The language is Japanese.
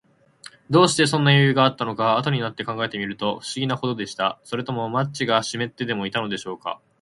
どうして、そんなよゆうがあったのか、あとになって考えてみると、ふしぎなほどでした。それともマッチがしめってでもいたのでしょうか。